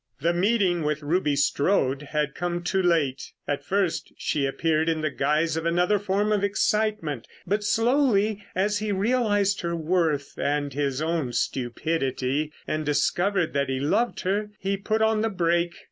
The meeting with Ruby Strode had come too late. At first she appeared in the guise of another form of excitement. But slowly, as he realised her worth and his own stupidity, and discovered that he loved her, he put on the brake.